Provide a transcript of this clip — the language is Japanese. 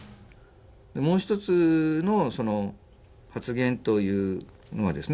もう一つの発言というのはですね